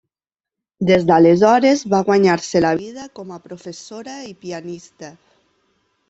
Des d'aleshores va guanyar-se la vida com a professora i pianista.